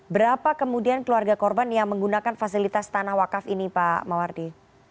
berapa kemudian keluarga korban yang menggunakan fasilitas tanah wakaf ini pak mawardi